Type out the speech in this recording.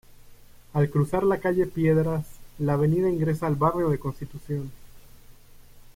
Al cruzar la calle Piedras, la Avenida ingresa al barrio de Constitución.